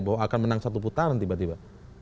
bahwa akan menang satu putaran tiba tiba